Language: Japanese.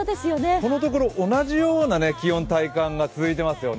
このところ同じような気温、体感が続いていますよね。